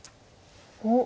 おっ！